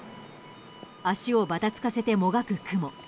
足をばたつかせてもがくクモ。